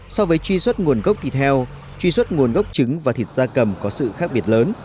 so với truy xuất nguồn gốc thịt heo truy xuất nguồn gốc trứng và thịt da cầm có sự khác biệt lớn